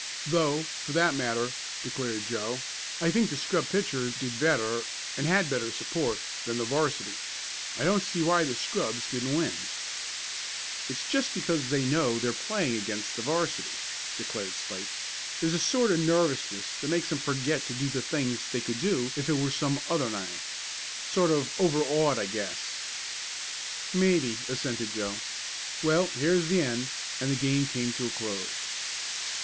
"Though, for that matter," declared Joe, "I think the scrub pitcher did better, and had better support, than the 'varsity. I don't see why the scrubs didn't win." "It's just because they know they're playing against the 'varsity," declared Spike. "There's a sort of nervousness that makes 'em forget to do the things they could do if it was some other nine. Sort of over awed I guess." "Maybe," assented Joe. "Well, here's the end," and the game came to a close.